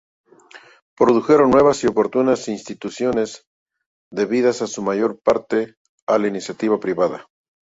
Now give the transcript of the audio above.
Produjeron nuevas y oportunas instituciones, debidas en su mayor parte a la iniciativa privada.